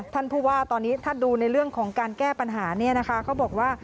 ท่านผู้ว่าตอนนี้ถ้าดูในเรื่องของการแก้ปัญหา